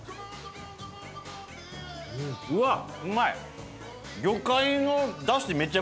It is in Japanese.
うわっうまい！